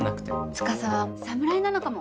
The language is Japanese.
司は侍なのかも。